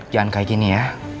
jangan kayak gini ya